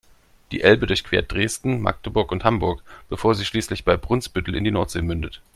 Die Elbe durchquert Dresden, Magdeburg und Hamburg, bevor sie schließlich bei Brunsbüttel in die Nordsee mündet.